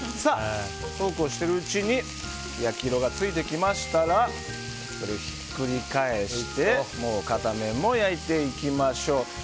そうこうしているうちに焼き色がついてきましたらここでひっくり返してもう片面も焼いていきましょう。